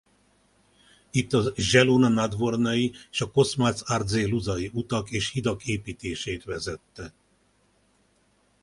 Itt a zielona-nadwornai és a kosmácz-ardzéluzai utak és hidak építését vezette.